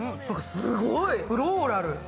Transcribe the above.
すごい、フローラル。